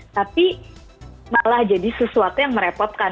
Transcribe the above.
tapi malah jadi sesuatu yang merepotkan